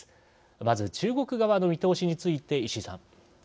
まず、中国側の見通しについて石井さん。